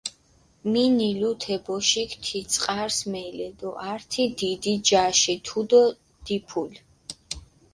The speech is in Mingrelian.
მინილუ თე ბოშიქ თი წყარს მელე დო ართი დიდი ჯაში თუდო დიფულჷ.